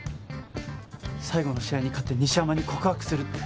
最後の試合に勝って西山に告白するって。